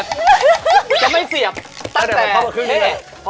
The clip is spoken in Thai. พี่โชว์อยู่นี่เลยเหรอ